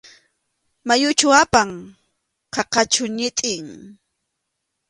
¿Mayuchu apan?, ¿qaqachu ñitin?